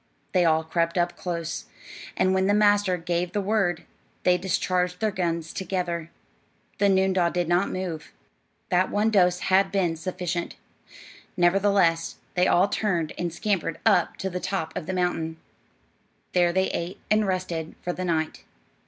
They all crept up close, and when the master gave the word, they discharged their guns together. The noondah did not move; that one dose had been sufficient. Nevertheless, they all turned and scampered up to the top of the mountain. There they ate and rested for the night.